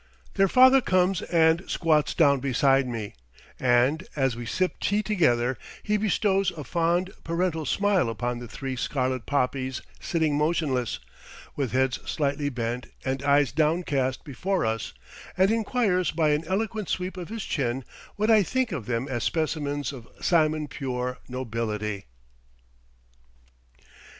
Their father comes and squats down beside me, and, as we sip tea together, he bestows a fond, parental smile upon the three scarlet poppies sitting motionless, with heads slightly bent and eyes downcast, before us, and inquires by an eloquent sweep of his chin what I think of them as specimens of simon pure nobility.